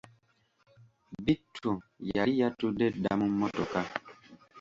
Bittu yali yatudde dda mu mmotoka.